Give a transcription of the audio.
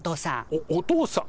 おお父さん？